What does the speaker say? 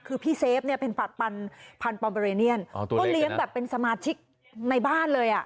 คือพี่เซฟเนี่ยเป็นปัดปันพันธอมเบอเรเนียนก็เลี้ยงแบบเป็นสมาชิกในบ้านเลยอ่ะ